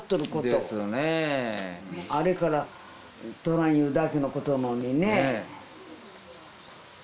あれから取らんいうだけのことなのにね